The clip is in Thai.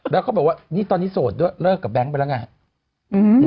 แล้วเขาบอกว่านี่ตอนนี้โสดด้วยเลิกกับแบงค์ไปแล้วไง